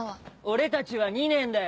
俺たちは２年だよ。